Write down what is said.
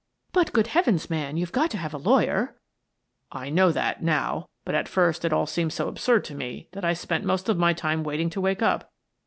" But, good Heavens, man, you've got to have a lawyer!" " I know that — now. But at first it all seemed so absurd to me that I spent most of my time wait ing to wake up.